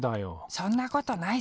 そんなことないさ。